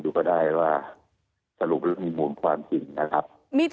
ก็ได้ว่าสรุปแล้วมีมูลความจริงนะครับ